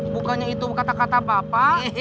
bukannya itu kata kata bapak